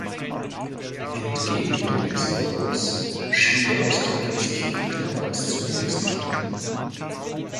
Entgegen den Exit Polls schien der Ausgang plötzlich viel knapper als zunächst angenommen.